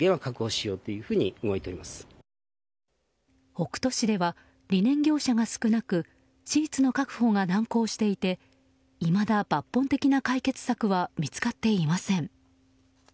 北杜市ではリネン業者が少なくシーツの確保が難航していていまだ抜本的な解決策は見つかっていません。